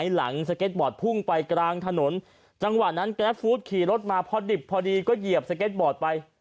หลังสเก็ตบอร์ดพุ่งไปกลางถนนจังหวะนั้นแกรฟฟู้ดขี่รถมาพอดิบพอดีก็เหยียบสเก็ตบอร์ดไป